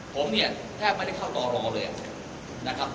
ผมเนี่ยแทบไม่ได้เข้าต่อรอเลยนะครับ